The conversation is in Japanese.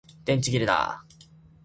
電池切れだ